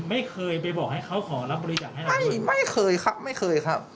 ไม่เคยไปบอกให้เขาขอรับบริจาคให้เราไม่เคยครับไม่เคยครับ